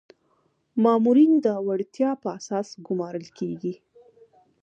مامورین د وړتیا په اساس ګمارل کیږي